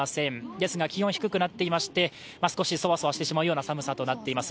ですが気温低くなっていまして少しそわそわしてしまうような寒さとなっています。